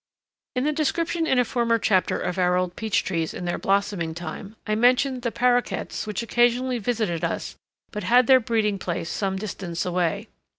In the description in a former chapter of our old peach trees in their blossoming time I mentioned the paroquets which occasionally visited us but had their breeding place some distance away.